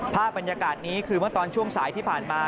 ภาพบรรยากาศนี้คือเมื่อตอนช่วงสายที่ผ่านมา